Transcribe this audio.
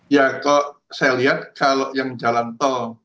ya kok saya lihat kalau yang jalan tol